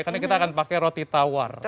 karena kita akan pakai roti tawar